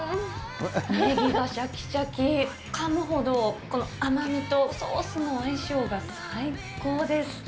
ネギがしゃきしゃき、かむほど、この甘みとソースの相性が最高です。